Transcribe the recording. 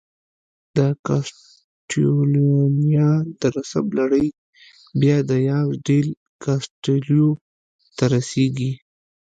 د کاسټیلویانو د نسب لړۍ بیا دیاز ډیل کاسټیلو ته رسېږي.